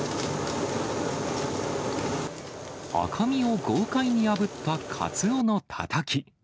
赤身を豪快にあぶったカツオのたたき。